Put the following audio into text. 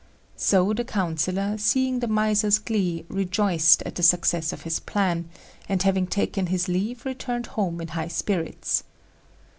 So the councillor, seeing the miser's glee, rejoiced at the success of his plan; and having taken his leave returned home in high spirits.